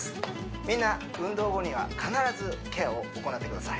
みんな運動後には必ずケアを行ってください